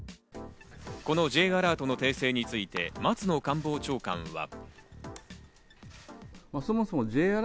このＪアラートの訂正について松野官房長官は。